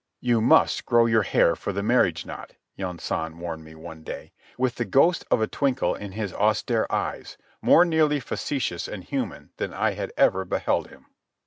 "You must grow your hair for the marriage knot," Yunsan warned me one day, with the ghost of a twinkle in his austere eyes, more nearly facetious and human than I had ever beheld him.